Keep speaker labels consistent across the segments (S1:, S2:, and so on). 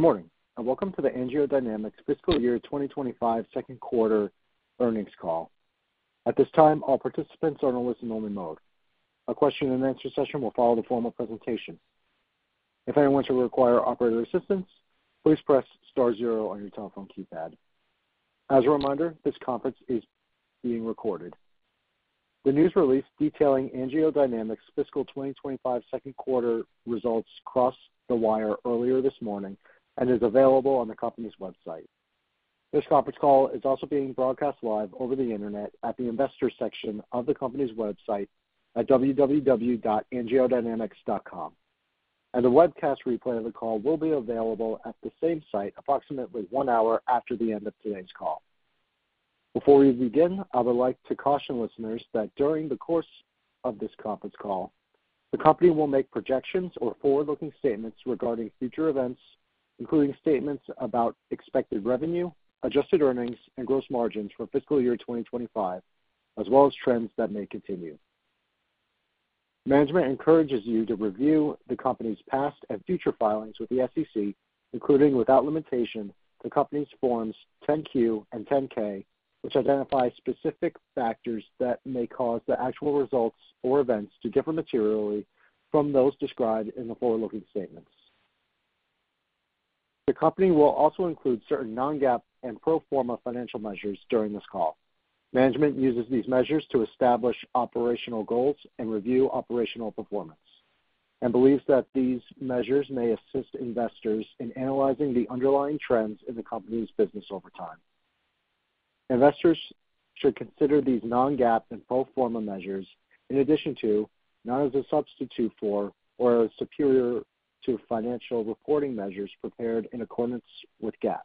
S1: Good morning and welcome to the AngioDynamics Fiscal Year 2025 Second Quarter Earnings Call. At this time, all participants are in a listen-only mode. A question-and-answer session will follow the formal presentation. If anyone should require operator assistance, please press Star zero on your telephone keypad. As a reminder, this conference is being recorded. The news release detailing AngioDynamics fiscal 2025 second quarter results crossed the wire earlier this morning and is available on the company's website. This conference call is also being broadcast live over the internet at the investor section of the company's website at www.angiodynamics.com, and the webcast replay of the call will be available at the same site approximately one hour after the end of today's call. Before we begin, I would like to caution listeners that during the course of this conference call, the company will make projections or forward-looking statements regarding future events, including statements about expected revenue, adjusted earnings, and gross margins for fiscal year 2025, as well as trends that may continue. Management encourages you to review the company's past and future filings with the SEC, including without limitation, the company's Forms 10-Q and 10-K, which identify specific factors that may cause the actual results or events to differ materially from those described in the forward-looking statements. The company will also include certain non-GAAP and pro forma financial measures during this call. Management uses these measures to establish operational goals and review operational performance and believes that these measures may assist investors in analyzing the underlying trends in the company's business over time. Investors should consider these non-GAAP and pro forma measures in addition to, not as a substitute for or as superior to, financial reporting measures prepared in accordance with GAAP.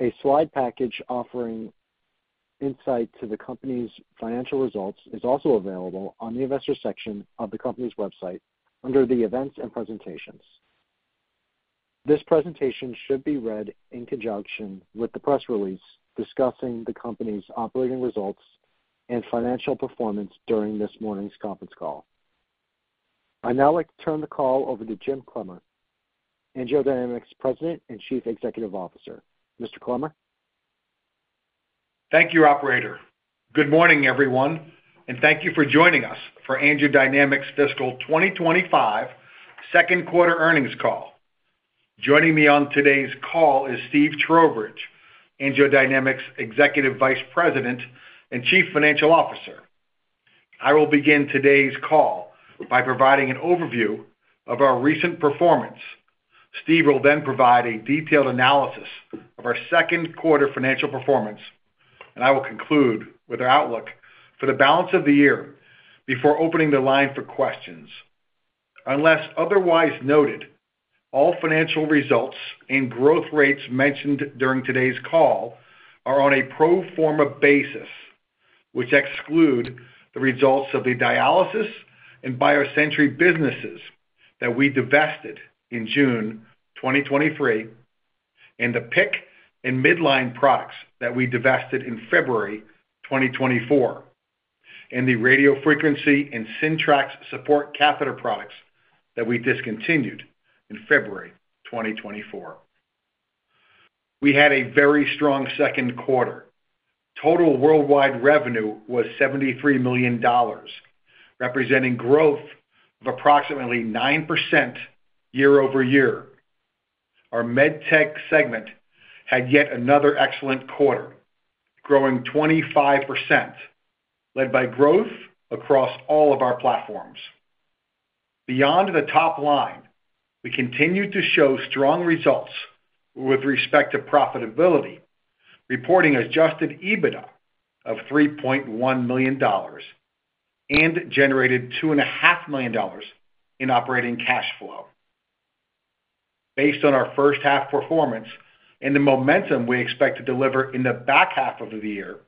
S1: A slide package offering insight into the company's financial results is also available on the investor section of the company's website under the events and presentations. This presentation should be read in conjunction with the press release discussing the company's operating results and financial performance during this morning's conference call. I'd now like to turn the call over to Jim Clemmer, AngioDynamics President and Chief Executive Officer. Mr. Clemmer.
S2: Thank you, Operator. Good morning, everyone, and thank you for joining us for AngioDynamics Fiscal 2025 Second Quarter Earnings Call. Joining me on today's call is Steve Trowbridge, AngioDynamics Executive Vice President and Chief Financial Officer. I will begin today's call by providing an overview of our recent performance. Steve will then provide a detailed analysis of our second quarter financial performance, and I will conclude with our outlook for the balance of the year before opening the line for questions. Unless otherwise noted, all financial results and growth rates mentioned during today's call are on a pro forma basis, which exclude the results of the dialysis and BioSentry businesses that we divested in June 2023, and the PICC and midline products that we divested in February 2024, and the Radiofrequency and Syntrax support catheter products that we discontinued in February 2024. We had a very strong second quarter. Total worldwide revenue was $73 million, representing growth of approximately 9% year-over-year. Our Med Tech segment had yet another excellent quarter, growing 25%, led by growth across all of our platforms. Beyond the top line, we continued to show strong results with respect to profitability, reporting Adjusted EBITDA of $3.1 million and generated $2.5 million in operating cash flow. Based on our first half performance and the momentum we expect to deliver in the back half of the year,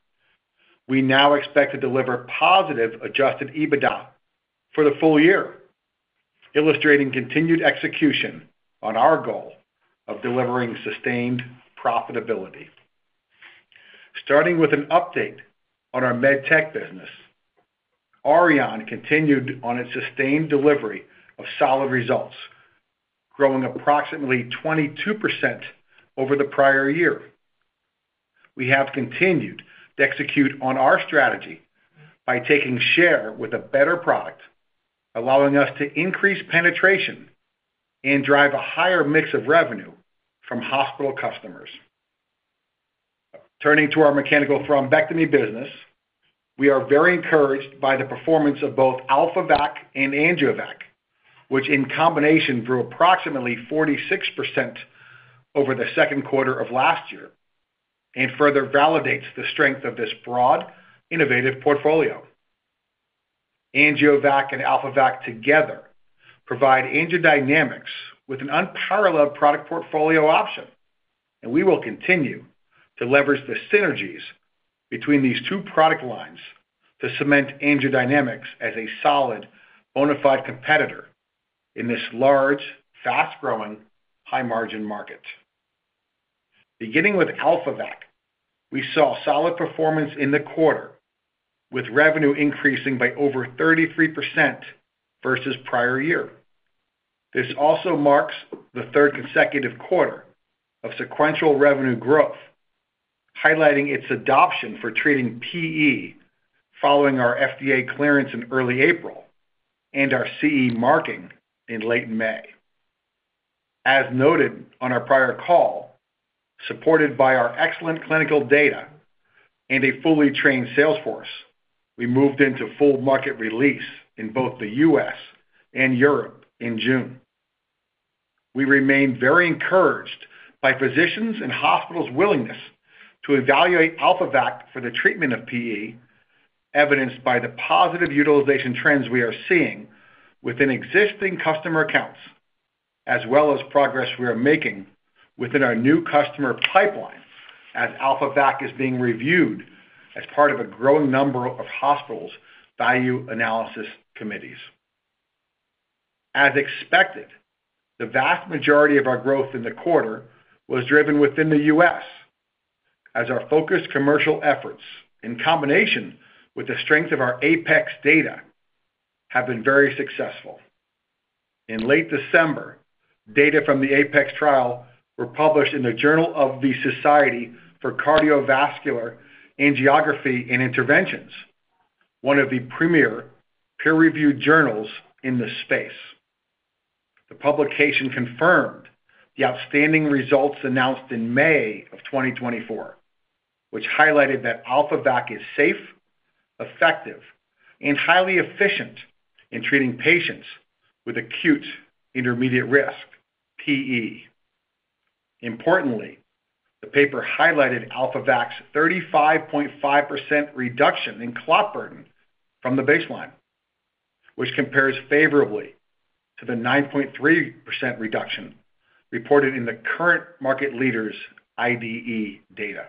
S2: we now expect to deliver positive Adjusted EBITDA for the full year, illustrating continued execution on our goal of delivering sustained profitability. Starting with an update on our Med Tech business, Auryon continued on its sustained delivery of solid results, growing approximately 22% over the prior year. We have continued to execute on our strategy by taking share with a better product, allowing us to increase penetration and drive a higher mix of revenue from hospital customers. Turning to our mechanical thrombectomy business, we are very encouraged by the performance of both AlphaVac and AngioVac, which in combination grew approximately 46% over the second quarter of last year and further validates the strength of this broad, innovative portfolio. AngioVac and AlphaVac together provide AngioDynamics with an unparalleled product portfolio option, and we will continue to leverage the synergies between these two product lines to cement AngioDynamics as a solid, bona fide competitor in this large, fast-growing, high-margin market. Beginning with AlphaVac, we saw solid performance in the quarter, with revenue increasing by over 33% versus prior year. This also marks the third consecutive quarter of sequential revenue growth, highlighting its adoption for treating PE following our FDA clearance in early April and our CE marking in late May. As noted on our prior call, supported by our excellent clinical data and a fully trained salesforce, we moved into full market release in both the U.S. and Europe in June. We remain very encouraged by physicians and hospitals' willingness to evaluate AlphaVac for the treatment of PE, evidenced by the positive utilization trends we are seeing within existing customer accounts, as well as progress we are making within our new customer pipeline as AlphaVac is being reviewed as part of a growing number of hospitals' value analysis committees. As expected, the vast majority of our growth in the quarter was driven within the U.S., as our focused commercial efforts, in combination with the strength of our APEX data, have been very successful. In late December, data from the APEX trial were published in the Journal of the Society for Cardiovascular Angiography and Interventions, one of the premier peer-reviewed journals in the space. The publication confirmed the outstanding results announced in May of 2024, which highlighted that AlphaVac is safe, effective, and highly efficient in treating patients with acute intermediate risk PE. Importantly, the paper highlighted AlphaVac's 35.5% reduction in clot burden from the baseline, which compares favorably to the 9.3% reduction reported in the current market leader's IDE data.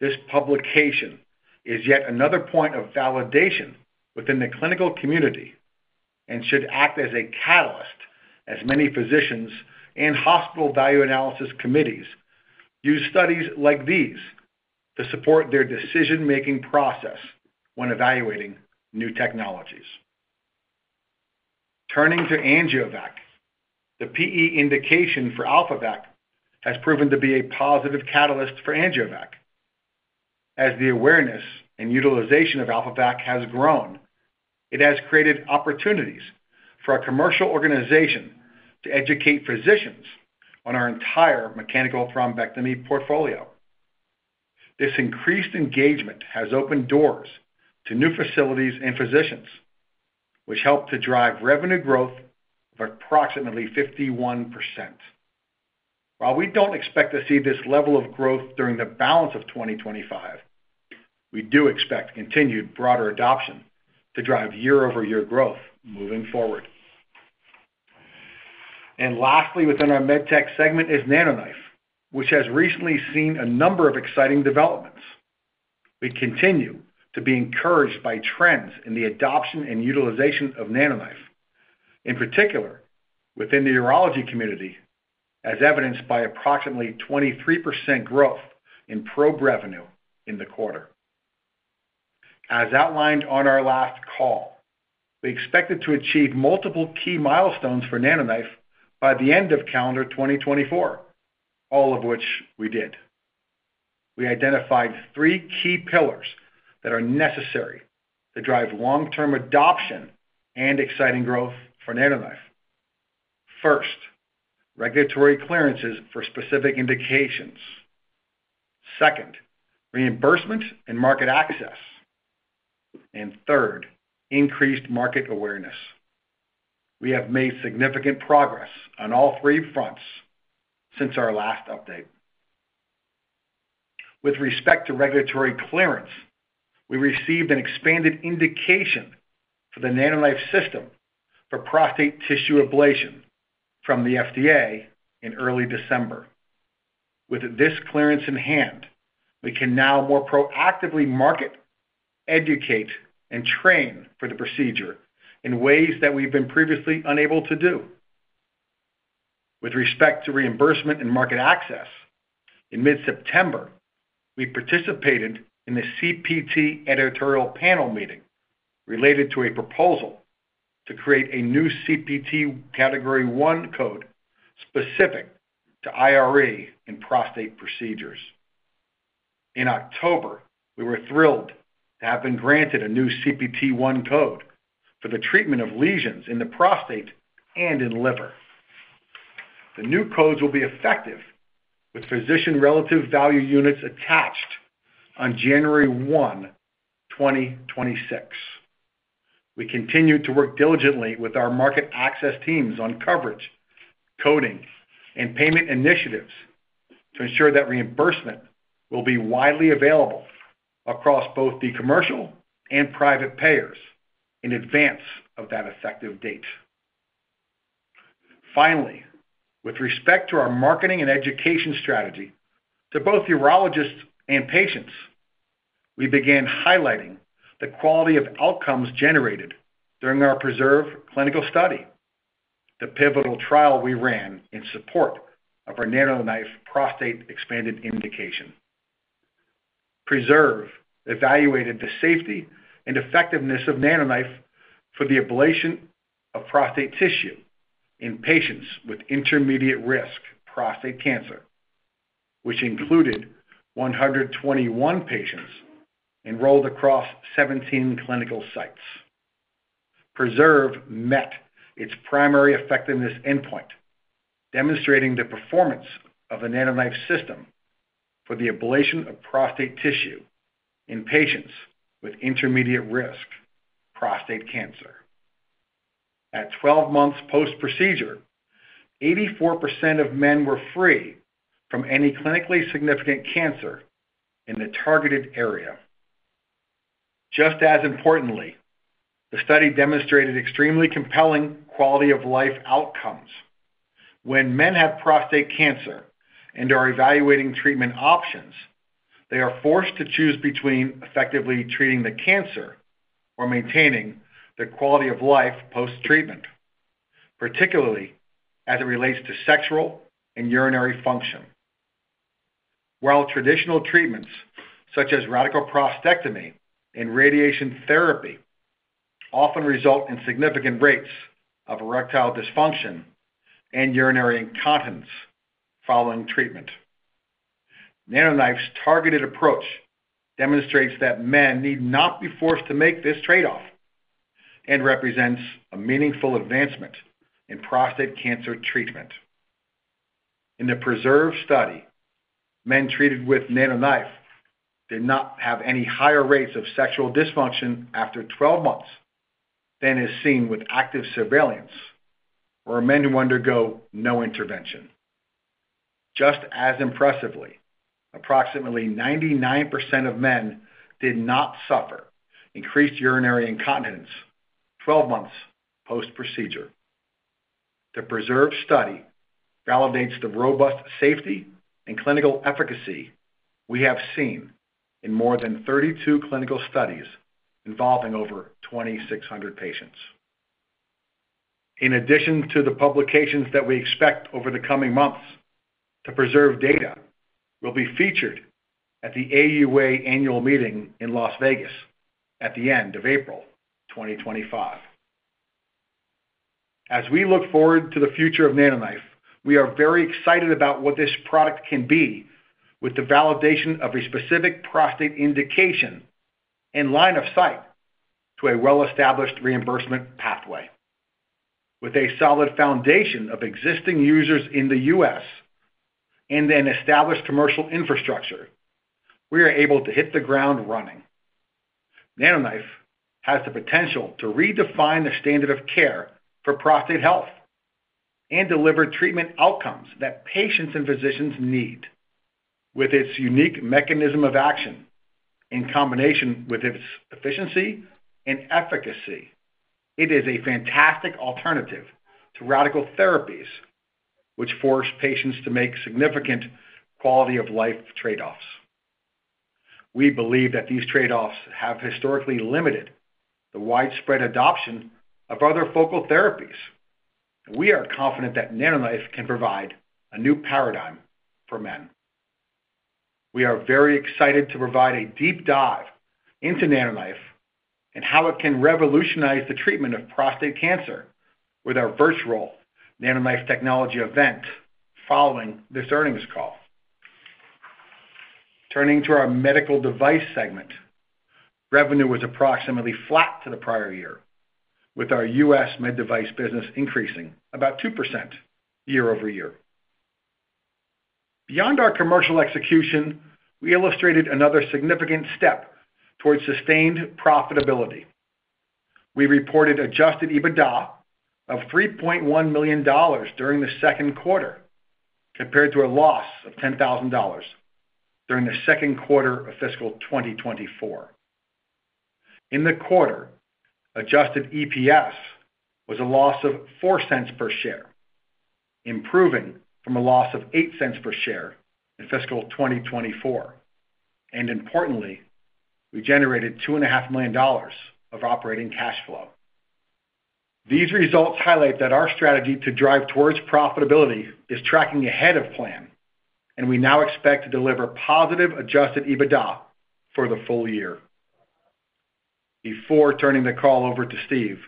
S2: This publication is yet another point of validation within the clinical community and should act as a catalyst as many physicians and hospital value analysis committees use studies like these to support their decision-making process when evaluating new technologies. Turning to AngioVac, the PE indication for AlphaVac has proven to be a positive catalyst for AngioVac. As the awareness and utilization of AlphaVac has grown, it has created opportunities for our commercial organization to educate physicians on our entire mechanical thrombectomy portfolio. This increased engagement has opened doors to new facilities and physicians, which helped to drive revenue growth of approximately 51%. While we don't expect to see this level of growth during the balance of 2025, we do expect continued broader adoption to drive year-over-year growth moving forward. And lastly, within our Med Tech segment is NanoKnife, which has recently seen a number of exciting developments. We continue to be encouraged by trends in the adoption and utilization of NanoKnife, in particular within the urology community, as evidenced by approximately 23% growth in pro forma revenue in the quarter. As outlined on our last call, we expected to achieve multiple key milestones for NanoKnife by the end of calendar 2024, all of which we did. We identified three key pillars that are necessary to drive long-term adoption and exciting growth for NanoKnife. First, regulatory clearances for specific indications. Second, reimbursement and market access. And third, increased market awareness. We have made significant progress on all three fronts since our last update. With respect to regulatory clearance, we received an expanded indication for the NanoKnife system for prostate tissue ablation from the FDA in early December. With this clearance in hand, we can now more proactively market, educate, and train for the procedure in ways that we've been previously unable to do. With respect to reimbursement and market access, in mid-September, we participated in the CPT editorial panel meeting related to a proposal to create a new CPT Category I code specific to IRE and prostate procedures. In October, we were thrilled to have been granted a new CPT I code for the treatment of lesions in the prostate and in liver. The new codes will be effective with physician relative value units attached on January 1, 2026. We continue to work diligently with our market access teams on coverage, coding, and payment initiatives to ensure that reimbursement will be widely available across both the commercial and private payers in advance of that effective date. Finally, with respect to our marketing and education strategy to both urologists and patients, we began highlighting the quality of outcomes generated during our PRESERVE clinical study, the pivotal trial we ran in support of our NanoKnife prostate expanded indication. PRESERVE evaluated the safety and effectiveness of NanoKnife for the ablation of prostate tissue in patients with intermediate risk prostate cancer, which included 121 patients enrolled across 17 clinical sites. PRESERVE met its primary effectiveness endpoint, demonstrating the performance of the NanoKnife system for the ablation of prostate tissue in patients with intermediate risk prostate cancer. At 12 months post-procedure, 84% of men were free from any clinically significant cancer in the targeted area. Just as importantly, the study demonstrated extremely compelling quality of life outcomes. When men have prostate cancer and are evaluating treatment options, they are forced to choose between effectively treating the cancer or maintaining the quality of life post-treatment, particularly as it relates to sexual and urinary function. While traditional treatments such as radical prostatectomy and radiation therapy often result in significant rates of erectile dysfunction and urinary incontinence following treatment, NanoKnife's targeted approach demonstrates that men need not be forced to make this trade-off and represents a meaningful advancement in prostate cancer treatment. In the PRESERVE study, men treated with NanoKnife did not have any higher rates of sexual dysfunction after 12 months than is seen with active surveillance or men who undergo no intervention. Just as impressively, approximately 99% of men did not suffer increased urinary incontinence 12 months post-procedure. The PRESERVE study validates the robust safety and clinical efficacy we have seen in more than 32 clinical studies involving over 2,600 patients. In addition to the publications that we expect over the coming months, the PRESERVE data will be featured at the AUA annual meeting in Las Vegas at the end of April 2025. As we look forward to the future of NanoKnife, we are very excited about what this product can be with the validation of a specific prostate indication and line of sight to a well-established reimbursement pathway. With a solid foundation of existing users in the U.S. and an established commercial infrastructure, we are able to hit the ground running. NanoKnife has the potential to redefine the standard of care for prostate health and deliver treatment outcomes that patients and physicians need. With its unique mechanism of action in combination with its efficiency and efficacy, it is a fantastic alternative to radical therapies, which force patients to make significant quality of life trade-offs. We believe that these trade-offs have historically limited the widespread adoption of other focal therapies, and we are confident that NanoKnife can provide a new paradigm for men. We are very excited to provide a deep dive into NanoKnife and how it can revolutionize the treatment of prostate cancer with our virtual NanoKnife technology event following this earnings call. Turning to our medical device segment, revenue was approximately flat to the prior year, with our U.S. Med Device business increasing about 2% year-over-year. Beyond our commercial execution, we illustrated another significant step towards sustained profitability. We reported Adjusted EBITDA of $3.1 million during the second quarter, compared to a loss of $10,000 during the second quarter of fiscal 2024. In the quarter, Adjusted EPS was a loss of $0.04 per share, improving from a loss of $0.08 per share in fiscal 2024. And importantly, we generated $2.5 million of operating cash flow. These results highlight that our strategy to drive towards profitability is tracking ahead of plan, and we now expect to deliver positive Adjusted EBITDA for the full year. Before turning the call over to Steve,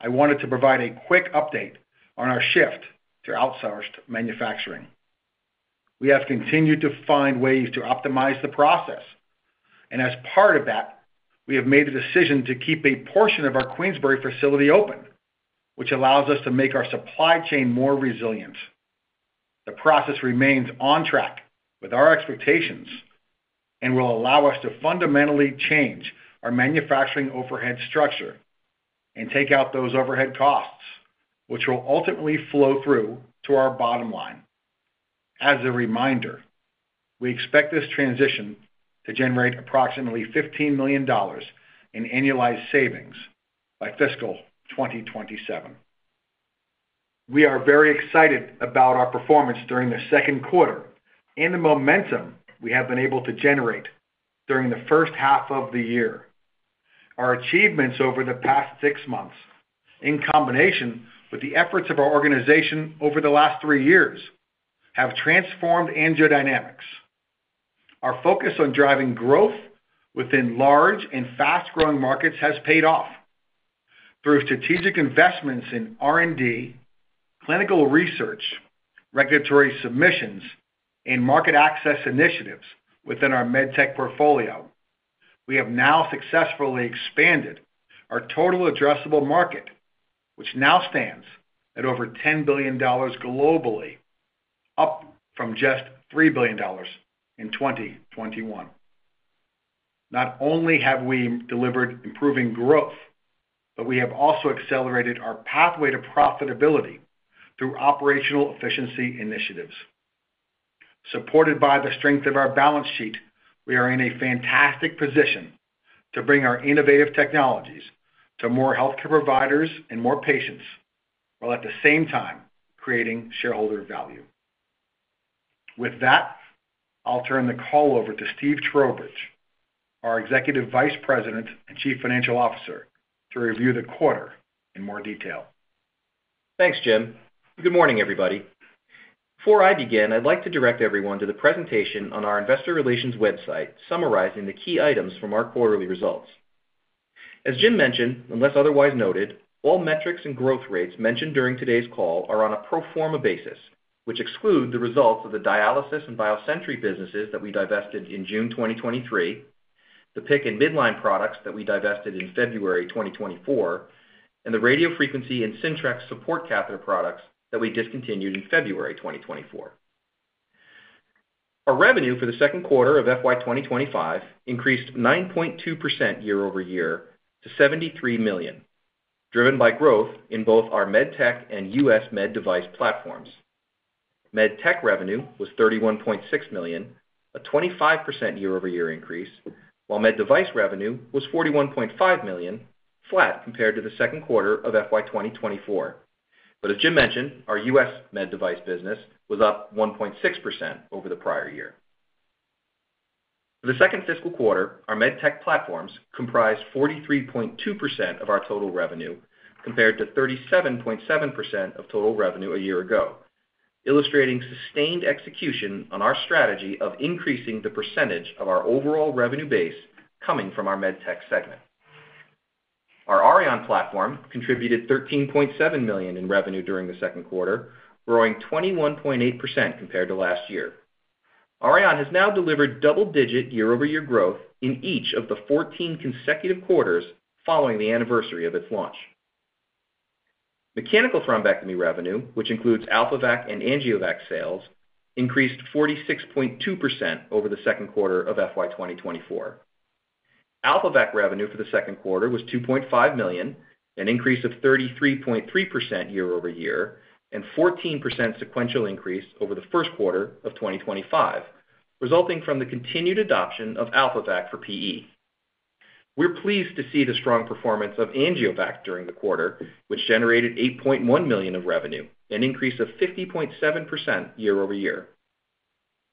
S2: I wanted to provide a quick update on our shift to outsourced manufacturing. We have continued to find ways to optimize the process, and as part of that, we have made a decision to keep a portion of our Queensbury facility open, which allows us to make our supply chain more resilient. The process remains on track with our expectations and will allow us to fundamentally change our manufacturing overhead structure and take out those overhead costs, which will ultimately flow through to our bottom line. As a reminder, we expect this transition to generate approximately $15 million in annualized savings by fiscal 2027. We are very excited about our performance during the second quarter and the momentum we have been able to generate during the first half of the year. Our achievements over the past six months, in combination with the efforts of our organization over the last three years, have transformed AngioDynamics. Our focus on driving growth within large and fast-growing markets has paid off through strategic investments in R&D, clinical research, regulatory submissions, and market access initiatives within our Med Tech portfolio. We have now successfully expanded our total addressable market, which now stands at over $10 billion globally, up from just $3 billion in 2021. Not only have we delivered improving growth, but we have also accelerated our pathway to profitability through operational efficiency initiatives. Supported by the strength of our balance sheet, we are in a fantastic position to bring our innovative technologies to more healthcare providers and more patients, while at the same time creating shareholder value. With that, I'll turn the call over to Steve Trowbridge, our Executive Vice President and Chief Financial Officer, to review the quarter in more detail.
S3: Thanks, Jim. Good morning, everybody. Before I begin, I'd like to direct everyone to the presentation on our investor relations website summarizing the key items from our quarterly results. As Jim mentioned, unless otherwise noted, all metrics and growth rates mentioned during today's call are on a pro forma basis, which exclude the results of the dialysis and BioSentry businesses that we divested in June 2023, the PICC and midline products that we divested in February 2024, and the Radiofrequency and Syntrax support catheter products that we discontinued in February 2024. Our revenue for the second quarter of FY 2025 increased 9.2% year over year to $73 million, driven by growth in both our Med Tech and U.S. Med Device platforms. Med tech revenue was $31.6 million, a 25% year-over-year increase, while Med Device revenue was $41.5 million, flat compared to the second quarter of FY 2024. But as Jim mentioned, our U.S. Med Device business was up 1.6% over the prior year. For the second fiscal quarter, our Med Tech platforms comprised 43.2% of our total revenue compared to 37.7% of total revenue a year ago, illustrating sustained execution on our strategy of increasing the percentage of our overall revenue base coming from our Med Tech segment. Our Auryon platform contributed $13.7 million in revenue during the second quarter, growing 21.8% compared to last year. Auryon has now delivered double-digit year over year growth in each of the 14 consecutive quarters following the anniversary of its launch. Mechanical thrombectomy revenue, which includes AlphaVac and AngioVac sales, increased 46.2% over the second quarter of FY 2024. AlphaVac revenue for the second quarter was $2.5 million, an increase of 33.3% year-over-year, and a 14% sequential increase over the first quarter of 2025, resulting from the continued adoption of AlphaVac for PE. We're pleased to see the strong performance of AngioVac during the quarter, which generated $8.1 million of revenue, an increase of 50.7% year over year.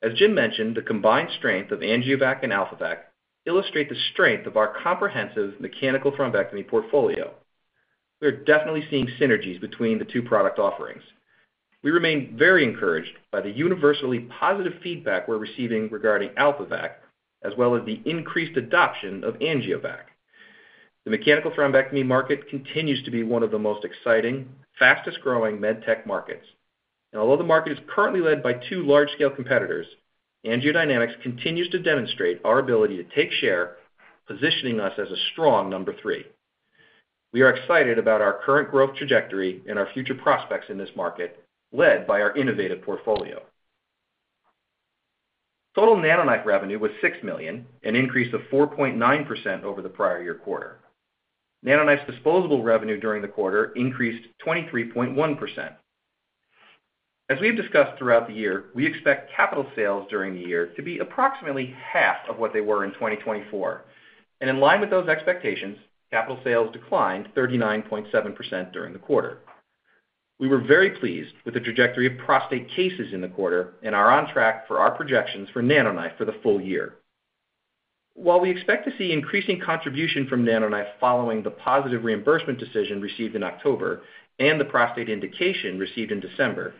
S3: As Jim mentioned, the combined strength of AngioVac and AlphaVac illustrates the strength of our comprehensive mechanical thrombectomy portfolio. We are definitely seeing synergies between the two product offerings. We remain very encouraged by the universally positive feedback we're receiving regarding AlphaVac, as well as the increased adoption of AngioVac. The mechanical thrombectomy market continues to be one of the most exciting, fastest-growing Med Tech markets, and although the market is currently led by two large-scale competitors, AngioDynamics continues to demonstrate our ability to take share, positioning us as a strong number three. We are excited about our current growth trajectory and our future prospects in this market led by our innovative portfolio. Total NanoKnife revenue was $6 million, an increase of 4.9% over the prior year quarter. NanoKnife's disposable revenue during the quarter increased 23.1%. As we've discussed throughout the year, we expect capital sales during the year to be approximately half of what they were in 2024, and in line with those expectations, capital sales declined 39.7% during the quarter. We were very pleased with the trajectory of prostate cases in the quarter and are on track for our projections for NanoKnife for the full year. While we expect to see increasing contribution from NanoKnife following the positive reimbursement decision received in October and the prostate indication received in December,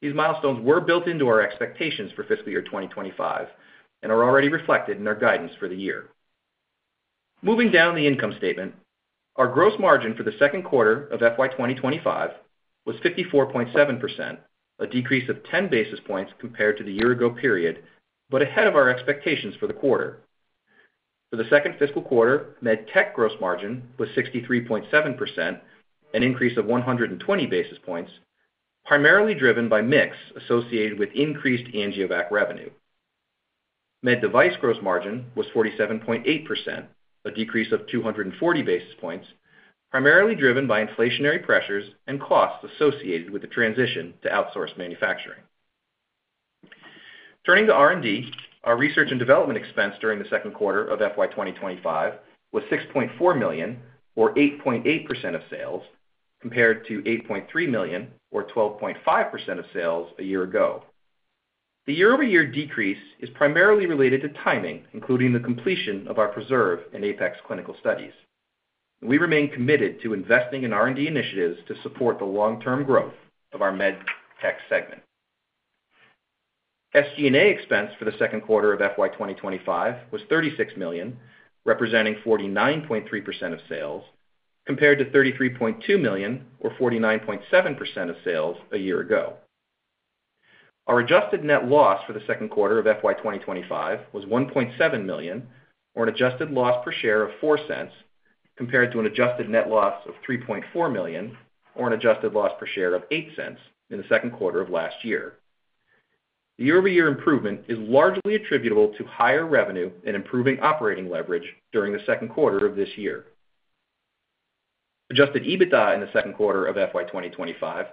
S3: these milestones were built into our expectations for fiscal year 2025 and are already reflected in our guidance for the year. Moving down the income statement, our gross margin for the second quarter of FY 2025 was 54.7%, a decrease of 10 basis points compared to the year-ago period, but ahead of our expectations for the quarter. For the second fiscal quarter, Med Tech gross margin was 63.7%, an increase of 120 basis points, primarily driven by mix associated with increased AngioVac revenue. Med Device gross margin was 47.8%, a decrease of 240 basis points, primarily driven by inflationary pressures and costs associated with the transition to outsourced manufacturing. Turning to R&D, our research and development expense during the second quarter of FY 2025 was $6.4 million, or 8.8% of sales, compared to $8.3 million, or 12.5% of sales a year ago. The year-over-year decrease is primarily related to timing, including the completion of our PRESERVE and APEX clinical studies. We remain committed to investing in R&D initiatives to support the long-term growth of our Med Tech segment. SG&A expense for the second quarter of FY 2025 was $36 million, representing 49.3% of sales, compared to $33.2 million, or 49.7% of sales a year ago. Our adjusted net loss for the second quarter of FY 2025 was $1.7 million, or an adjusted loss per share of $0.04, compared to an adjusted net loss of $3.4 million, or an adjusted loss per share of $0.08 in the second quarter of last year. The year-over-year improvement is largely attributable to higher revenue and improving operating leverage during the second quarter of this year. Adjusted EBITDA in the second quarter of FY 2025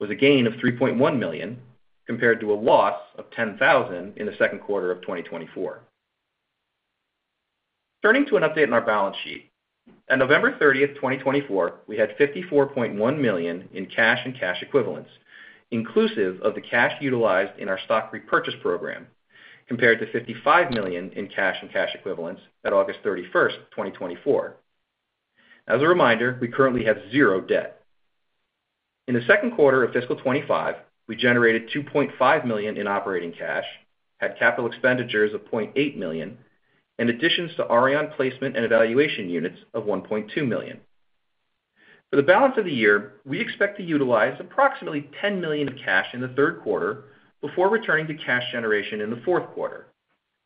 S3: was a gain of $3.1 million, compared to a loss of $10,000 in the second quarter of 2024. Turning to an update in our balance sheet, at November 30, 2024, we had $54.1 million in cash and cash equivalents, inclusive of the cash utilized in our stock repurchase program, compared to $55 million in cash and cash equivalents at August 31, 2024. As a reminder, we currently have zero debt. In the second quarter of fiscal 25, we generated $2.5 million in operating cash, had capital expenditures of $0.8 million, and additions to Auryon placement and evaluation units of $1.2 million. For the balance of the year, we expect to utilize approximately $10 million of cash in the third quarter before returning to cash generation in the fourth quarter.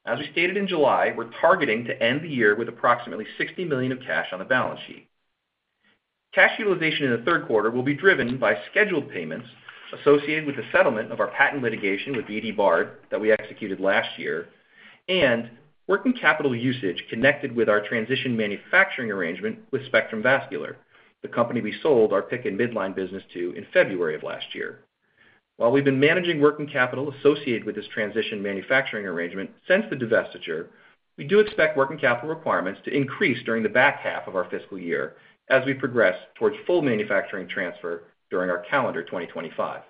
S3: As we stated in July, we're targeting to end the year with approximately $60 million of cash on the balance sheet. Cash utilization in the third quarter will be driven by scheduled payments associated with the settlement of our patent litigation with BD Bard that we executed last year, and working capital usage connected with our transition manufacturing arrangement with Spectrum Vascular, the company we sold our PICC and midline business to in February of last year. While we've been managing working capital associated with this transition manufacturing arrangement since the divestiture, we do expect working capital requirements to increase during the back half of our fiscal year as we progress towards full manufacturing transfer during our calendar 2025.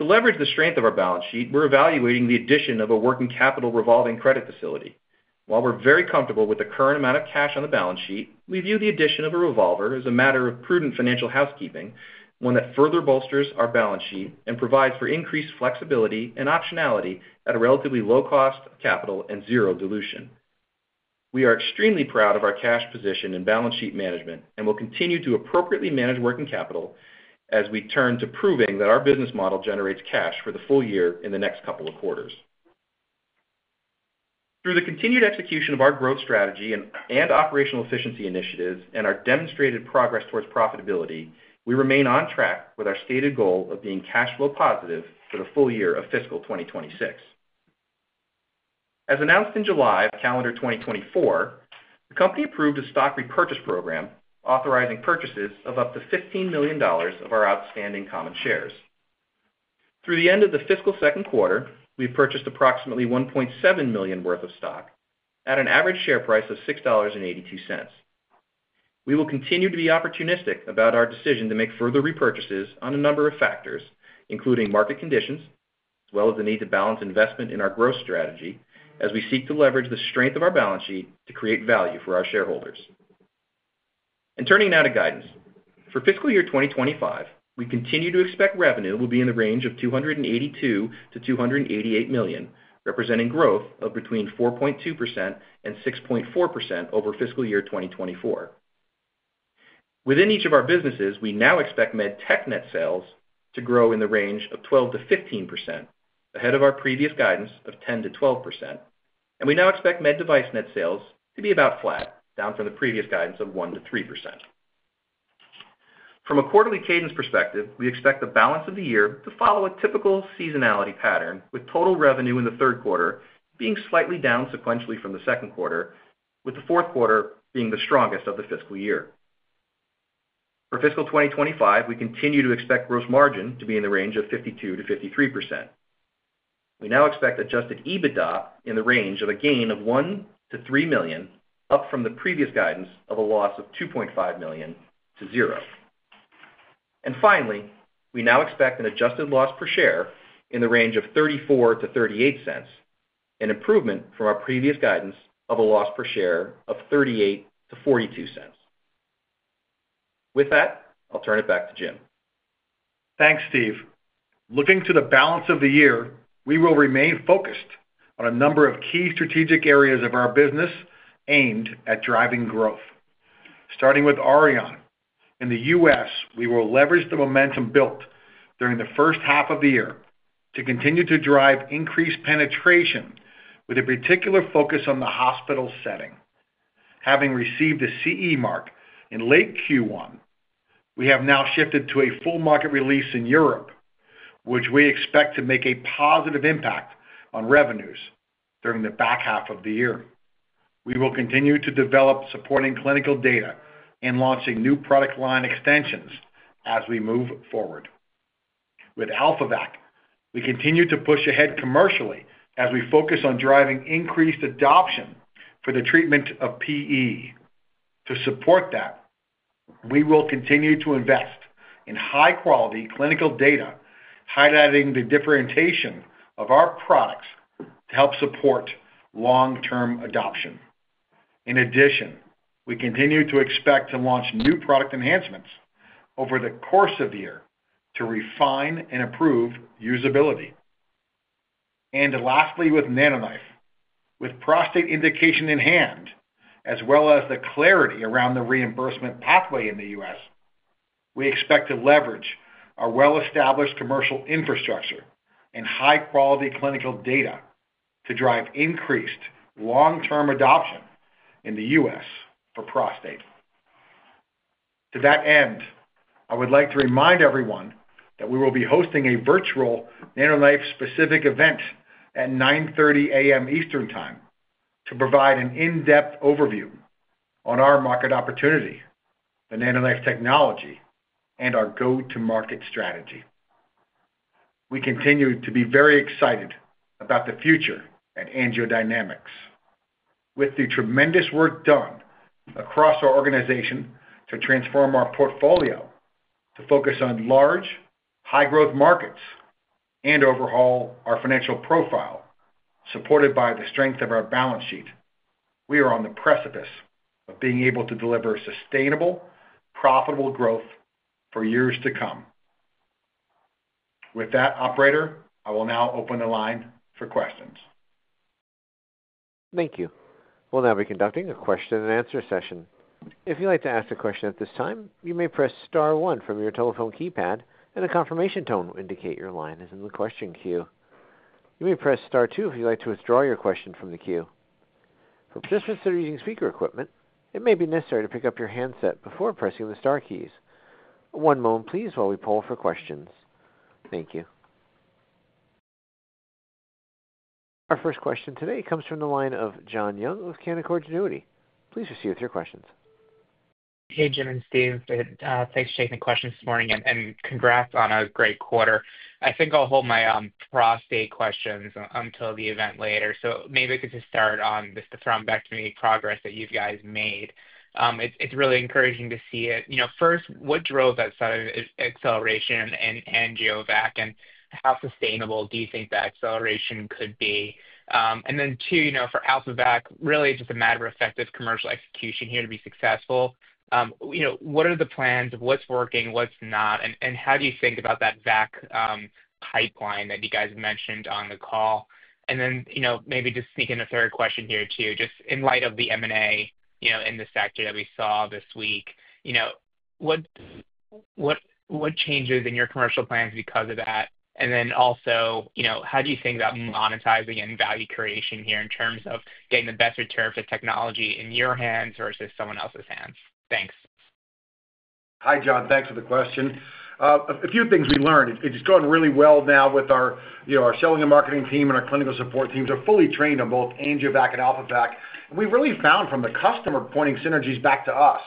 S3: To leverage the strength of our balance sheet, we're evaluating the addition of a working capital revolving credit facility. While we're very comfortable with the current amount of cash on the balance sheet, we view the addition of a revolver as a matter of prudent financial housekeeping, one that further bolsters our balance sheet and provides for increased flexibility and optionality at a relatively low cost of capital and zero dilution. We are extremely proud of our cash position in balance sheet management and will continue to appropriately manage working capital as we turn to proving that our business model generates cash for the full year in the next couple of quarters. Through the continued execution of our growth strategy and operational efficiency initiatives and our demonstrated progress towards profitability, we remain on track with our stated goal of being cash flow positive for the full year of fiscal 2026. As announced in July of calendar 2024, the company approved a stock repurchase program authorizing purchases of up to $15 million of our outstanding common shares. Through the end of the fiscal second quarter, we've purchased approximately $1.7 million worth of stock at an average share price of $6.82. We will continue to be opportunistic about our decision to make further repurchases on a number of factors, including market conditions, as well as the need to balance investment in our growth strategy as we seek to leverage the strength of our balance sheet to create value for our shareholders. And turning now to guidance. For fiscal year 2025, we continue to expect revenue will be in the range of $282-$288 million, representing growth of between 4.2% and 6.4% over fiscal year 2024. Within each of our businesses, we now expect Med Tech net sales to grow in the range of 12%-15%, ahead of our previous guidance of 10%-12%. And we now expect Med Device net sales to be about flat, down from the previous guidance of 1%-3%. From a quarterly cadence perspective, we expect the balance of the year to follow a typical seasonality pattern, with total revenue in the third quarter being slightly down sequentially from the second quarter, with the fourth quarter being the strongest of the fiscal year. For fiscal 2025, we continue to expect gross margin to be in the range of 52%-53%. We now expect Adjusted EBITDA in the range of a gain of $1-$3 million, up from the previous guidance of a loss of $2.5 million to $0. Finally, we now expect an adjusted loss per share in the range of $0.34-$0.38, an improvement from our previous guidance of a loss per share of $0.38-$0.42. With that, I'll turn it back to Jim.
S2: Thanks, Steve. Looking to the balance of the year, we will remain focused on a number of key strategic areas of our business aimed at driving growth. Starting with Auryon. In the U.S., we will leverage the momentum built during the first half of the year to continue to drive increased penetration, with a particular focus on the hospital setting. Having received the CE Mark in late Q1, we have now shifted to a full market release in Europe, which we expect to make a positive impact on revenues during the back half of the year. We will continue to develop supporting clinical data and launching new product line extensions as we move forward. With AlphaVac, we continue to push ahead commercially as we focus on driving increased adoption for the treatment of PE. To support that, we will continue to invest in high-quality clinical data, highlighting the differentiation of our products to help support long-term adoption. In addition, we continue to expect to launch new product enhancements over the course of the year to refine and improve usability. And lastly, with NanoKnife, with prostate indication in hand, as well as the clarity around the reimbursement pathway in the U.S., we expect to leverage our well-established commercial infrastructure and high-quality clinical data to drive increased long-term adoption in the U.S. for prostate. To that end, I would like to remind everyone that we will be hosting a virtual NanoKnife-specific event at 9:30 A.M. Eastern Time to provide an in-depth overview on our market opportunity, the NanoKnife technology, and our go-to-market strategy. We continue to be very excited about the future at AngioDynamics. With the tremendous work done across our organization to transform our portfolio, to focus on large, high-growth markets, and overhaul our financial profile supported by the strength of our balance sheet, we are on the precipice of being able to deliver sustainable, profitable growth for years to come. With that, Operator, I will now open the line for questions.
S1: Thank you. We'll now be conducting a question-and-answer session. If you'd like to ask a question at this time, you may press Star one from your telephone keypad, and a confirmation tone will indicate your line is in the question queue. You may press Star two if you'd like to withdraw your question from the queue. For participants that are using speaker equipment, it may be necessary to pick up your handset before pressing the Star keys. One moment, please, while we poll for questions. Thank you. Our first question today comes from the line of John Young with Canaccord Genuity. Please proceed with your questions.
S4: Hey, Jim and Steve. Thanks for taking the questions this morning, and congrats on a great quarter. I think I'll hold my prostate questions until the event later. So maybe I could just start on just the thrombectomy progress that you guys made. It's really encouraging to see it. First, what drove that sudden acceleration in AngioVac, and how sustainable do you think that acceleration could be? And then two, for AlphaVac, really just a matter of effective commercial execution here to be successful. What are the plans? What's working? What's not? And how do you think about that VAC pipeline that you guys mentioned on the call? And then maybe just thinking a third question here too, just in light of the M&A in the sector that we saw this week, what changes in your commercial plans because of that? And then also, how do you think about monetizing and value creation here in terms of getting the best return for technology in your hands versus someone else's hands? Thanks.
S2: Hi, John. Thanks for the question. A few things we learned. It's gone really well now with our selling and marketing team and our clinical support teams are fully trained on both AngioVac and AlphaVac. And we've really found from the customer pointing synergies back to us.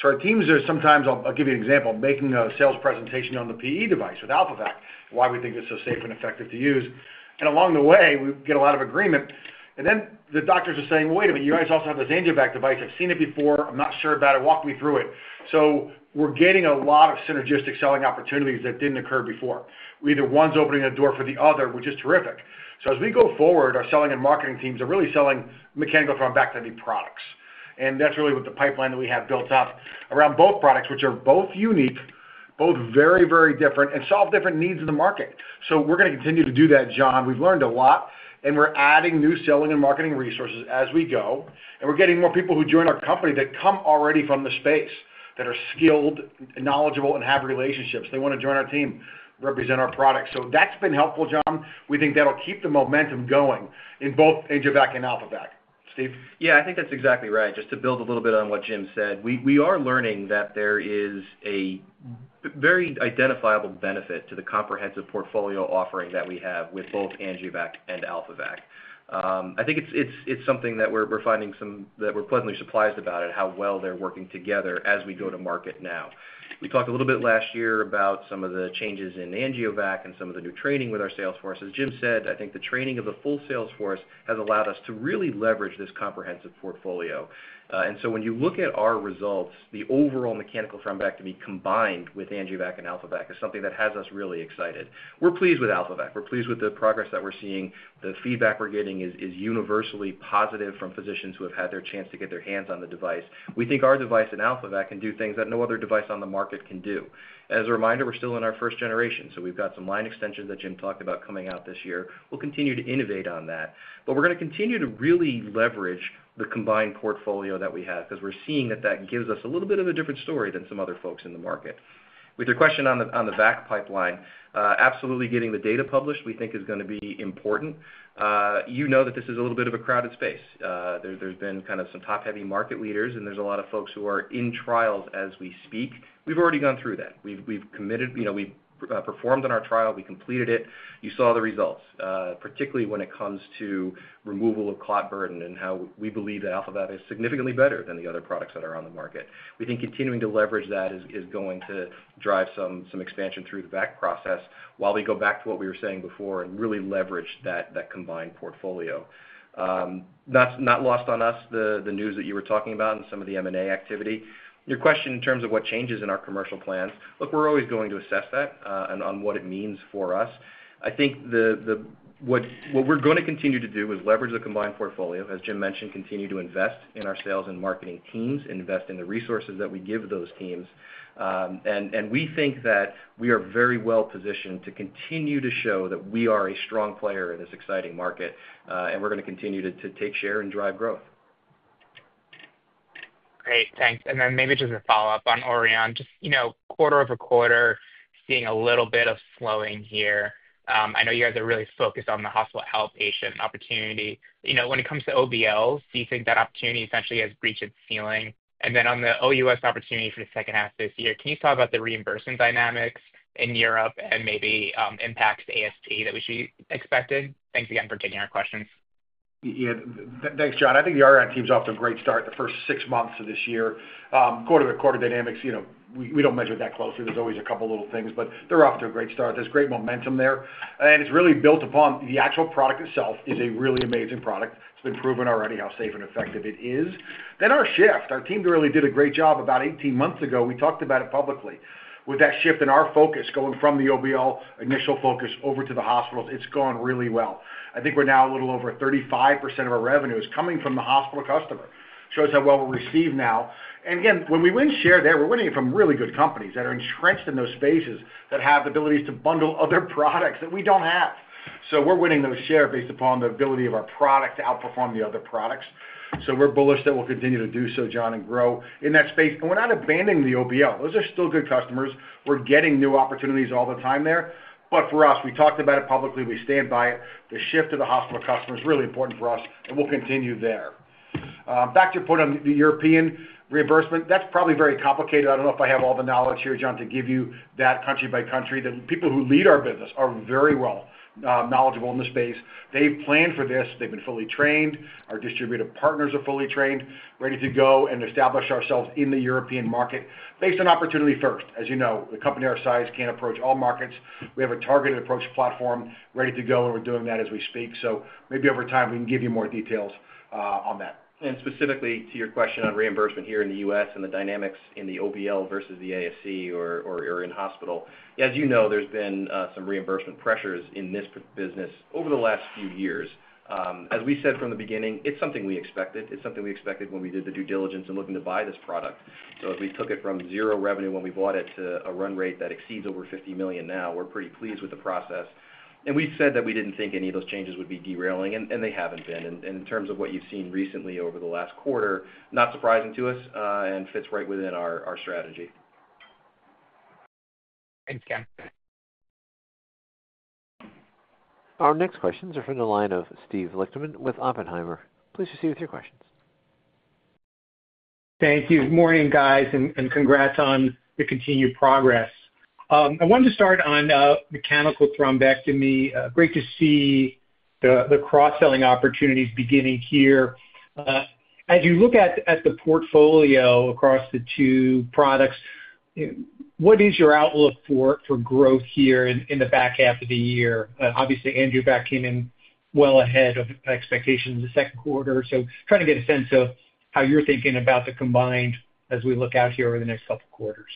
S2: So our teams are sometimes. I'll give you an example, making a sales presentation on the PE device with AlphaVac, why we think it's so safe and effective to use. And along the way, we get a lot of agreement. And then the doctors are saying, "Well, wait a minute. You guys also have this AngioVac device. I've seen it before. I'm not sure about it. Walk me through it." So we're getting a lot of synergistic selling opportunities that didn't occur before. Either one's opening a door for the other, which is terrific. So as we go forward, our selling and marketing teams are really selling mechanical thrombectomy products. And that's really what the pipeline that we have built up around both products, which are both unique, both very, very different, and solve different needs in the market. So we're going to continue to do that, John. We've learned a lot, and we're adding new selling and marketing resources as we go, and we're getting more people who join our company that come already from the space that are skilled, knowledgeable, and have relationships. They want to join our team, represent our products. So that's been helpful, John. We think that'll keep the momentum going in both AngioVac and AlphaVac. Steve?
S3: Yeah, I think that's exactly right. Just to build a little bit on what Jim said, we are learning that there is a very identifiable benefit to the comprehensive portfolio offering that we have with both AngioVac and AlphaVac. I think it's something that we're finding some that we're pleasantly surprised about, how well they're working together as we go to market now. We talked a little bit last year about some of the changes in AngioVac and some of the new training with our sales force. As Jim said, I think the training of the full sales force has allowed us to really leverage this comprehensive portfolio, and so when you look at our results, the overall mechanical thrombectomy combined with AngioVac and AlphaVac is something that has us really excited. We're pleased with AlphaVac. We're pleased with the progress that we're seeing. The feedback we're getting is universally positive from physicians who have had their chance to get their hands on the device. We think our device and AlphaVac can do things that no other device on the market can do. As a reminder, we're still in our first generation, so we've got some line extensions that Jim talked about coming out this year. We'll continue to innovate on that. But we're going to continue to really leverage the combined portfolio that we have because we're seeing that that gives us a little bit of a different story than some other folks in the market. With your question on the VAC pipeline, absolutely getting the data published we think is going to be important. You know that this is a little bit of a crowded space. There's been kind of some top-heavy market leaders, and there's a lot of folks who are in trials as we speak. We've already gone through that. We've committed. We've performed on our trial. We completed it. You saw the results, particularly when it comes to removal of clot burden and how we believe that AlphaVac is significantly better than the other products that are on the market. We think continuing to leverage that is going to drive some expansion through the VAC process while we go back to what we were saying before and really leverage that combined portfolio. Not lost on us, the news that you were talking about and some of the M&A activity. Your question in terms of what changes in our commercial plans, look, we're always going to assess that and on what it means for us. I think what we're going to continue to do is leverage the combined portfolio, as Jim mentioned, continue to invest in our sales and marketing teams, invest in the resources that we give those teams. And we think that we are very well positioned to continue to show that we are a strong player in this exciting market, and we're going to continue to take share and drive growth.
S4: Great. Thanks. Then maybe just a follow-up on Auryon. Just quarter over quarter, seeing a little bit of slowing here. I know you guys are really focused on the hospital outpatient opportunity. When it comes to OBLs, do you think that opportunity essentially has breached its ceiling? And then on the OUS opportunity for the second half of this year, can you talk about the reimbursement dynamics in Europe and maybe impacts to ASP that we should be expecting? Thanks again for taking our questions.
S2: Yeah. Thanks, John. I think the Auryon team's off to a great start the first six months of this year. Quarter to quarter dynamics, we don't measure that closely. There's always a couple of little things, but they're off to a great start. There's great momentum there. And it's really built upon the actual product itself is a really amazing product. It's been proven already how safe and effective it is. Then our shift, our team really did a great job about 18 months ago. We talked about it publicly. With that shift in our focus going from the OBL initial focus over to the hospitals, it's gone really well. I think we're now a little over 35% of our revenue is coming from the hospital customer. Shows how well we're received now. And again, when we win share there, we're winning from really good companies that are entrenched in those spaces that have the abilities to bundle other products that we don't have. So we're winning those share based upon the ability of our product to outperform the other products. So we're bullish that we'll continue to do so, John, and grow in that space. And we're not abandoning the OBL. Those are still good customers. We're getting new opportunities all the time there. But for us, we talked about it publicly. We stand by it. The shift to the hospital customer is really important for us, and we'll continue there. Back to your point on the European reimbursement, that's probably very complicated. I don't know if I have all the knowledge here, John, to give you that country by country. The people who lead our business are very well knowledgeable in the space. They've planned for this. They've been fully trained. Our distributor partners are fully trained, ready to go and establish ourselves in the European market based on opportunity first. As you know, a company our size can't approach all markets. We have a targeted approach platform, ready to go, and we're doing that as we speak. So maybe over time, we can give you more details on that.
S3: And specifically to your question on reimbursement here in the U.S. and the dynamics in the OBL versus the ASC or in hospital, as you know, there's been some reimbursement pressures in this business over the last few years. As we said from the beginning, it's something we expected. It's something we expected when we did the due diligence and looking to buy this product. So as we took it from zero revenue when we bought it to a run rate that exceeds over $50 million now, we're pretty pleased with the process. And we said that we didn't think any of those changes would be derailing, and they haven't been. And in terms of what you've seen recently over the last quarter, not surprising to us and fits right within our strategy.
S1: Thanks, John. Our next questions are from the line of Steve Lichtman with Oppenheimer. Please proceed with your questions. Thank you. Good morning, guys, and congrats on the continued progress. I wanted to start on mechanical thrombectomy. Great to see the cross-selling opportunities beginning here. As you look at the portfolio across the two products, what is your outlook for growth here in the back half of the year? Obviously, AngioVac came in well ahead of expectations the second quarter. So trying to get a sense of how you're thinking about the combined as we look out here over the next couple of quarters.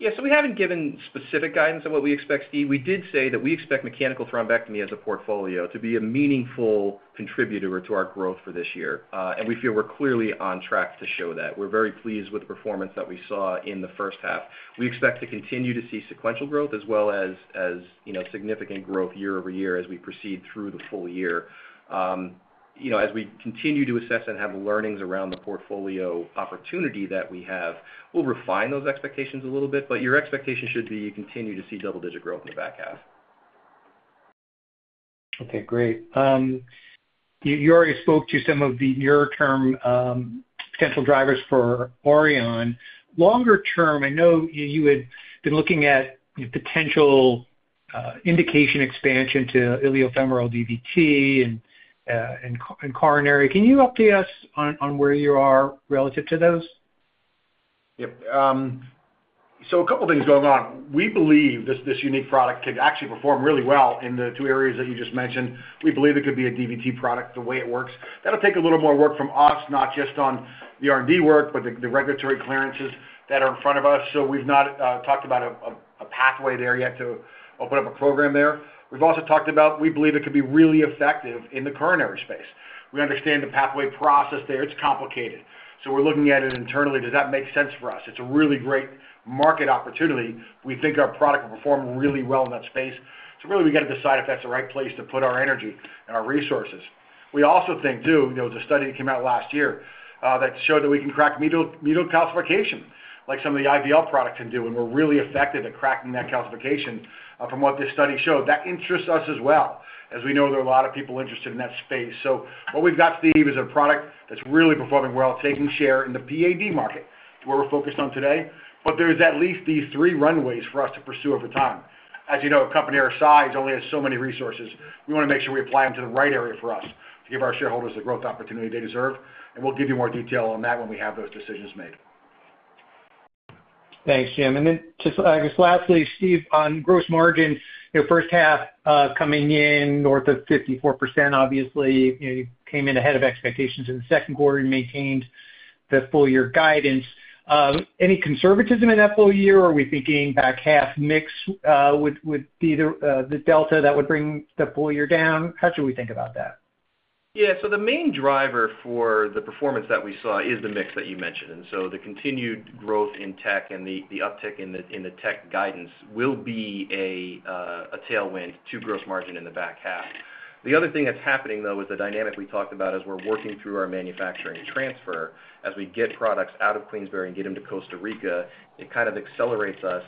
S2: Yeah. So we haven't given specific guidance on what we expect, Steve. We did say that we expect mechanical thrombectomy as a portfolio to be a meaningful contributor to our growth for this year. And we feel we're clearly on track to show that. We're very pleased with the performance that we saw in the first half. We expect to continue to see sequential growth as well as significant growth year over year as we proceed through the full year. As we continue to assess and have learnings around the portfolio opportunity that we have, we'll refine those expectations a little bit. But your expectation should be you continue to see double-digit growth in the back half.
S5: Okay. Great. You already spoke to some of the near-term potential drivers for Auryon. Longer term, I know you had been looking at potential indication expansion to iliofemoral DVT and coronary. Can you update us on where you are relative to those?
S2: Yep. So a couple of things going on. We believe this unique product could actually perform really well in the two areas that you just mentioned. We believe it could be a DVT product the way it works. That'll take a little more work from us, not just on the R&D work, but the regulatory clearances that are in front of us. So we've not talked about a pathway there yet to open up a program there. We've also talked about we believe it could be really effective in the coronary space. We understand the pathway process there. It's complicated. So we're looking at it internally. Does that make sense for us? It's a really great market opportunity. We think our product will perform really well in that space. So really, we got to decide if that's the right place to put our energy and our resources. We also think, too, there was a study that came out last year that showed that we can crack medial calcification like some of the IVL products can do, and we're really effective at cracking that calcification from what this study showed. That interests us as well as we know there are a lot of people interested in that space. So what we've got, Steve, is a product that's really performing well, taking share in the PAD market, where we're focused on today. But there's at least these three runways for us to pursue over time. As you know, a company our size only has so many resources. We want to make sure we apply them to the right area for us to give our shareholders the growth opportunity they deserve. And we'll give you more detail on that when we have those decisions made.
S5: Thanks, Jim. And then just lastly, Steve, on gross margin, your first half coming in north of 54%, obviously. You came in ahead of expectations in the second quarter and maintained the full-year guidance. Any conservatism in that full year? Are we thinking back half mix would be the delta that would bring the full year down? How should we think about that?
S3: Yeah. So the main driver for the performance that we saw is the mix that you mentioned. And so the continued growth in tech and the uptick in the tech guidance will be a tailwind to gross margin in the back half. The other thing that's happening, though, is the dynamic we talked about as we're working through our manufacturing transfer. As we get products out of Queensbury and get them to Costa Rica, it kind of accelerates us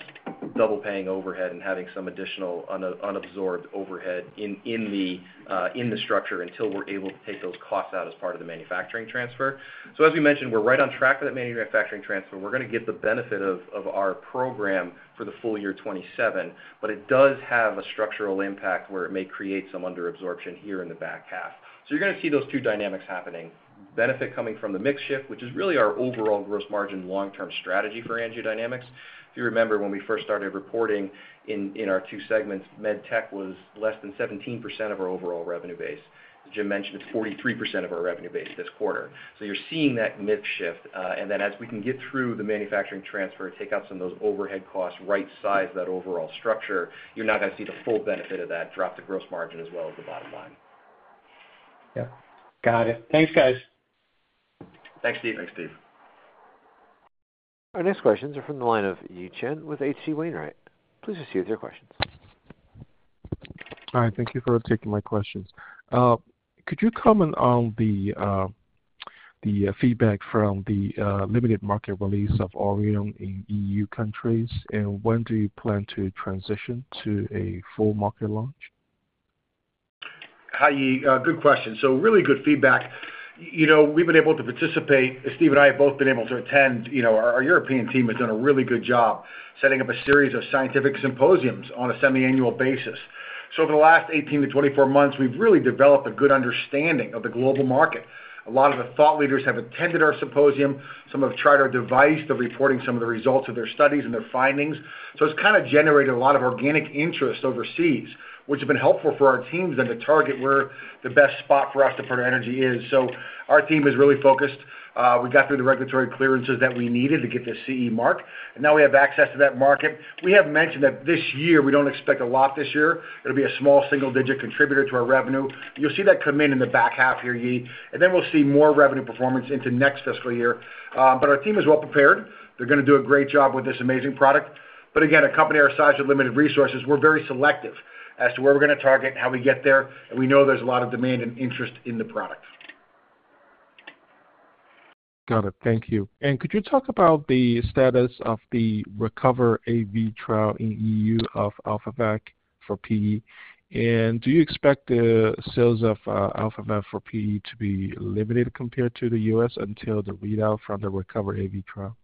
S3: double-paying overhead and having some additional unabsorbed overhead in the structure until we're able to take those costs out as part of the manufacturing transfer. So as we mentioned, we're right on track with that manufacturing transfer. We're going to get the benefit of our program for the full year 2027, but it does have a structural impact where it may create some underabsorption here in the back half. So you're going to see those two dynamics happening. Benefit coming from the mix shift, which is really our overall gross margin long-term strategy for AngioDynamics. If you remember when we first started reporting in our two segments, Med Tech was less than 17% of our overall revenue base. As Jim mentioned, it's 43% of our revenue base this quarter. So you're seeing that mix shift. And then as we can get through the manufacturing transfer, take out some of those overhead costs, right-size that overall structure, you're not going to see the full benefit of that drop to gross margin as well as the bottom line.
S5: Yep. Got it. Thanks, guys.
S2: Thanks, Steve.
S3: Thanks, Steve.
S1: Our next questions are from the line of Yi Chen with H.C. Wainwright. Please proceed with your questions.
S6: All right. Thank you for taking my questions. Could you comment on the feedback from the limited market release of Auryon in EU countries, and when do you plan to transition to a full market launch?
S3: Hi, Yi. Good question. So really good feedback. We've been able to participate. Steve and I have both been able to attend. Our European team has done a really good job setting up a series of scientific symposiums on a semi-annual basis, so over the last 18-24 months, we've really developed a good understanding of the global market. A lot of the thought leaders have attended our symposium. Some have tried our device, the reporting, some of the results of their studies and their findings, so it's kind of generated a lot of organic interest overseas, which has been helpful for our teams and to target where the best spot for us to put our energy is, so our team is really focused. We got through the regulatory clearances that we needed to get the CE Mark, and now we have access to that market. We have mentioned that this year, we don't expect a lot this year. It'll be a small single-digit contributor to our revenue. You'll see that come in in the back half here, Yi. And then we'll see more revenue performance into next fiscal year. But our team is well prepared. They're going to do a great job with this amazing product. But again, a company our size with limited resources, we're very selective as to where we're going to target and how we get there. And we know there's a lot of demand and interest in the product.
S6: Got it. Thank you. And could you talk about the status of the RECOVER-AV trial in EU of AlphaVac for PE? And do you expect the sales of AlphaVac for PE to be limited compared to the US until the readout from the RECOVER-AV trial?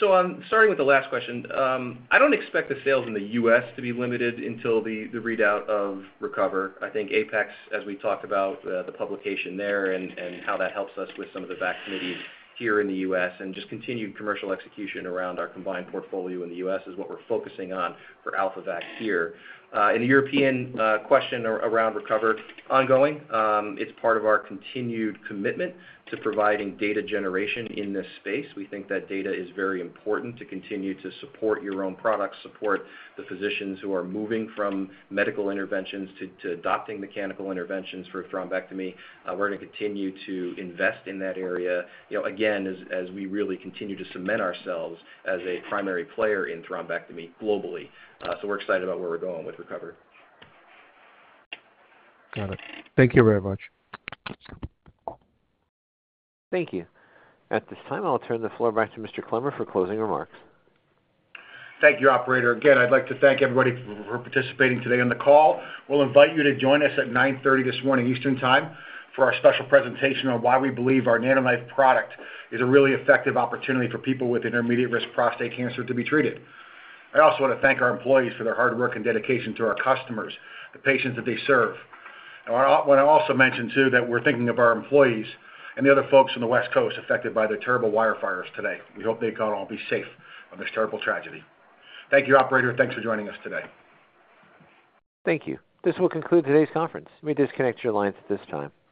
S2: So I'm starting with the last question. I don't expect the sales in the US to be limited until the readout of RECOVER. I think APEX, as we talked about the publication there and how that helps us with some of the VAC committees here in the U.S., and just continued commercial execution around our combined portfolio in the U.S. is what we're focusing on for AlphaVac here. And the European question around RECOVER, ongoing. It's part of our continued commitment to providing data generation in this space. We think that data is very important to continue to support your own products, support the physicians who are moving from medical interventions to adopting mechanical interventions for thrombectomy. We're going to continue to invest in that area, again, as we really continue to cement ourselves as a primary player in thrombectomy globally. So we're excited about where we're going with RECOVER.
S6: Got it. Thank you very much.
S1: Thank you. At this time, I'll turn the floor back to Mr. Clemmer for closing remarks.
S2: Thank you, Operator. Again, I'd like to thank everybody for participating today in the call. We'll invite you to join us at 9:30 A.M. this morning Eastern Time for our special presentation on why we believe our NanoKnife product is a really effective opportunity for people with intermediate-risk prostate cancer to be treated. I also want to thank our employees for their hard work and dedication to our customers, the patients that they serve. I want to also mention, too, that we're thinking of our employees and the other folks on the West Coast affected by the terrible wildfires today. We hope they can all be safe from this terrible tragedy. Thank you, Operator. Thanks for joining us today. Thank you. This will conclude today's conference. We disconnect your lines at this time.